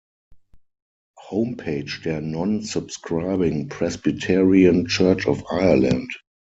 Homepage der "Non-Subscribing Presbyterian Church of Ireland"